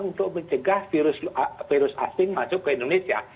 untuk mencegah virus asing masuk ke indonesia